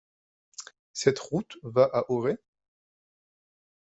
Cette route va à Auray ?